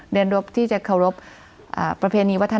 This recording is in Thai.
เรียนรู้ที่จะเคารพประเพณีวัฒนธรรม